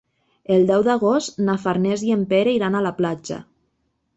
El deu d'agost na Farners i en Pere iran a la platja.